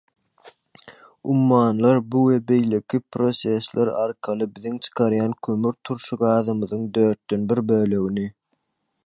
Ummanlar bu we beýleki prosessler arkaly, biziň çykarýan kömürturşy gazymyzyň dörtden bir bölegini